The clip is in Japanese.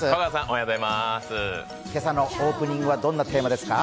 今朝のオープニングはどんなテーマですか？